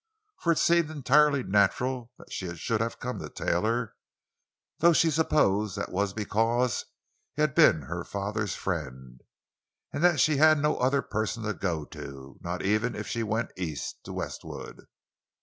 For it seemed entirely natural that she should have come to Taylor, though she supposed that was because he had been her father's friend, and that she had no other person to go to—not even if she went East, to Westwood.